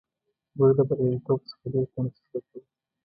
موږ د بریالیتوب څخه ډېر کم څه زده کوو.